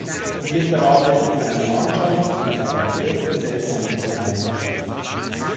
Hier gewann er mit seiner Mannschaft in seiner ersten Saison die Meisterschaft.